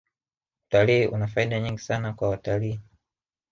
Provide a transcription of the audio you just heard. utalii una faida nyingi sana kwa watalii